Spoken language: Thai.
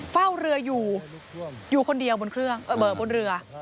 เฝ้าเรืออยู่อยู่คนเดียวบนเครื่องเบิกบนเรือ